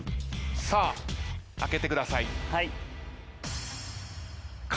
さあ開けてください。